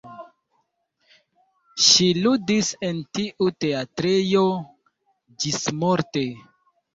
Ŝi ludis en tiu teatrejo ĝismorte.